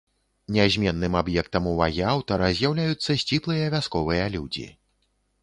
Нязменным аб'ектам увагі аўтара з'яўляюцца сціплыя вясковыя людзі.